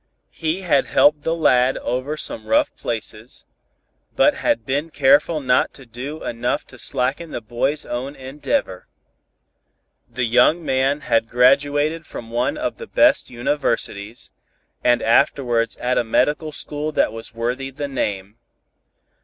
He had helped the lad over some rough places, but had been careful not to do enough to slacken the boy's own endeavor. The young man had graduated from one of the best universities, and afterwards at a medical school that was worthy the name.